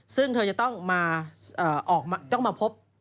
ซึ่งเธอจะต้องมาพบ